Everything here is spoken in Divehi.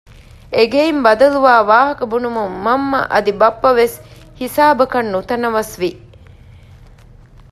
އެގެއިން ބަދަލުވާ ވާހަކަ ބުނުމުން މަންމަ އަދި ބައްޕަވެސް ހިސާބަކަށް ނުތަނަވަސްވި